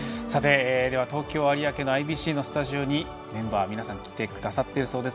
東京・有明のＩＢＣのスタジオにメンバー皆さん来てくださっています。